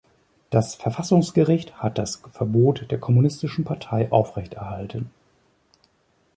Das Verfassungsgericht hat das Verbot der Kommunistischen Partei aufrechterhalten.